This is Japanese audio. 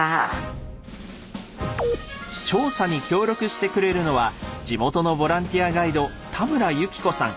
調査に協力してくれるのは地元のボランティアガイド田村行子さん。